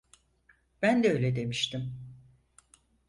Ben de öyle demiştim.